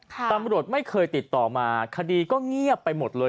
ตำรวจไม่เคยติดต่อมาคดีก็เงียบไปหมดเลย